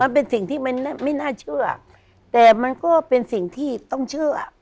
เป็นสิ่งที่มันไม่น่าเชื่อแต่มันก็เป็นสิ่งที่ต้องเชื่อ